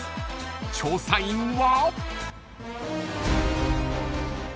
［調査員は］